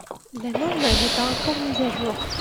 La norme n'est pas encore mise à jour.